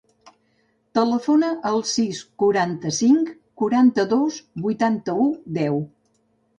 Telefona al sis, quaranta-cinc, quaranta-dos, vuitanta-u, deu.